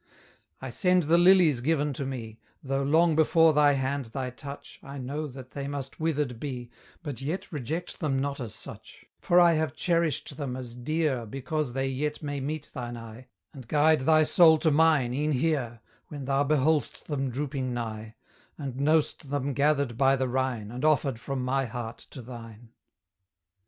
I send the lilies given to me; Though long before thy hand they touch, I know that they must withered be, But yet reject them not as such; For I have cherished them as dear, Because they yet may meet thine eye, And guide thy soul to mine e'en here, When thou behold'st them drooping nigh, And know'st them gathered by the Rhine, And offered from my heart to thine!